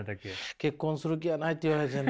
「結婚する気はない」って言われてな。